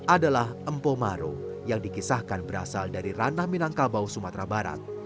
adalah empomaro yang dikisahkan berasal dari ranah minangkabau sumatera